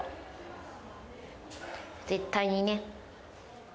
絶対にね。